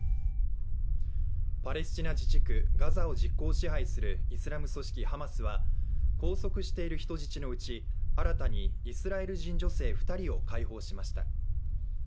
パレスチナ自治区ガザを実効支配するイスラム組織ハマスは拘束している人質のうち新たにイスラエル人女性２人を解放しました。